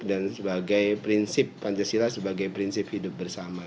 dan sebagai prinsip pancasila sebagai prinsip hidup bersama